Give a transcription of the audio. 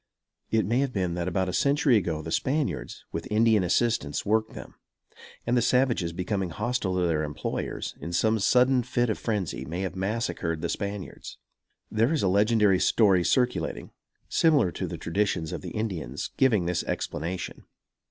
It may have been that about a century ago the Spaniards, with Indian assistants, worked them; and the savages becoming hostile to their employers, in some sudden fit of frenzy may have massacred the Spaniards. There is a legendary story circulating, similar to the traditions of the Indians, giving this explanation.